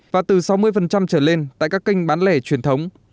và từ sáu mươi trở lên tại các kênh bán lẻ truyền thống